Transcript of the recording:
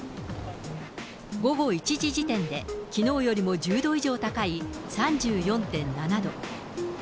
午後１時時点で、きのうよりも１０度以上高い３４．７度。